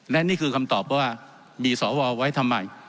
และนี่คือคำตอบว่ามีสวไว้ทำไม